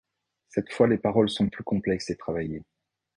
Cette fois les paroles sont plus complexes et travaillées.